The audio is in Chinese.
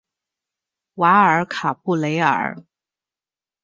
瓦尔卡布雷尔。